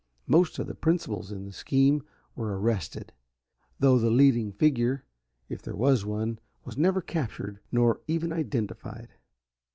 Most of the principals in the scheme were arrested, though the leading figure, if there was one, was never captured nor even identified.